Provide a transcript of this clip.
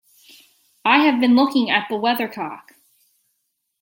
I have been looking at the weather-cock.